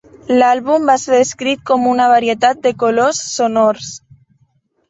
L'àlbum va ser descrit com una "varietat de colors sonors".